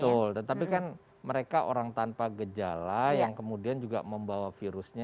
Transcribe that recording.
betul tetapi kan mereka orang tanpa gejala yang kemudian juga membawa virusnya